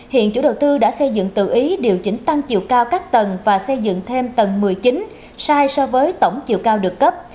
hiện chủ đầu tư đã xây dựng tự ý điều chỉnh tăng chiều cao các tầng và xây dựng thêm tầng một mươi chín sai so với tổng chiều cao được cấp